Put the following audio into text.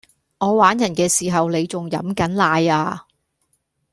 我玩人既時候你仲飲緊奶呀